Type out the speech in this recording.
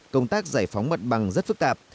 công tác giải phóng mặt bằng rất phức tạp